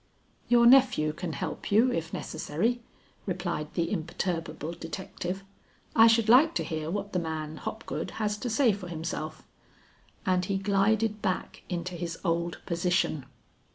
"Your nephew can help you if necessary," replied the imperturbable detective. "I should like to hear what the man, Hopgood, has to say for himself," and he glided back into his old position.